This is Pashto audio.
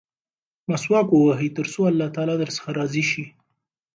مسواک ووهئ ترڅو الله تعالی درڅخه راضي شي.